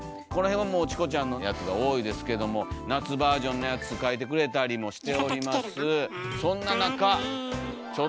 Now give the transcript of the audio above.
この辺はもうチコちゃんのやつが多いですけども夏バージョンのやつ描いてくれたりもしております。